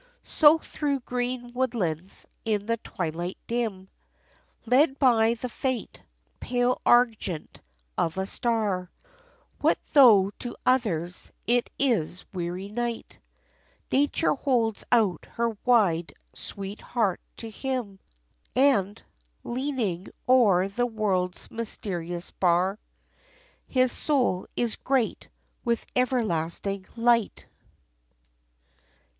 So through green woodlands in the twilight dim, Led by the faint, pale argent of a star, What though to others it is weary night, Nature holds out her wide, sweet heart to him; And, leaning o'er the world's mysterious bar, His soul is great with everlasting light.